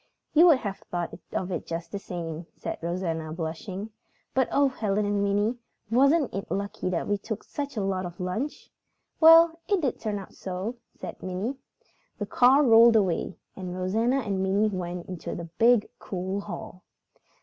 "You would have thought of it just the same," said Rosanna, blushing. "But oh, Helen and Minnie, wasn't it lucky that we took such a lot of lunch?" "Well, it did turn out so," said Minnie. The car rolled away, and Rosanna and Minnie went into the big, cool hall.